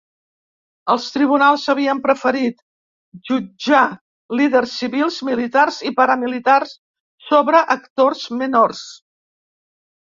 Els tribunals havien preferit jutjar líders civils, militars i paramilitars sobre actors menors.